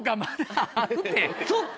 そっか！